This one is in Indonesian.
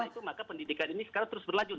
nah itu maka pendidikan ini sekarang terus berlanjut